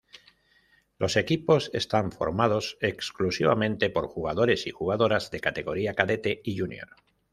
Los equipos están formados exclusivamente por jugadores y jugadoras de categoría "cadete" y junior.